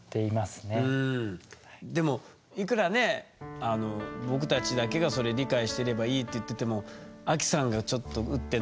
でもいくらね僕たちだけがそれ理解してればいいって言っててもアキさんがちょっとウッってなってたらやっぱ気遣うでしょ？